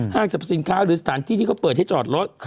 สรรพสินค้าหรือสถานที่ที่เขาเปิดให้จอดรถ